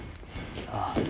ああ。